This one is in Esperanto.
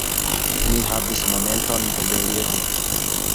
Mi havis momenton de deliro.